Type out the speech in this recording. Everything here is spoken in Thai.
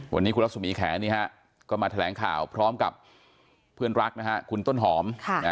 วันนี้คุณรัศมีแขนก็มาแถลงข่าวพร้อมกับเพื่อนรักนะฮะคุณต้นหอม